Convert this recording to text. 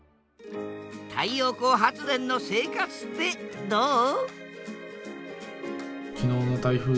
太陽光発電の生活ってどう？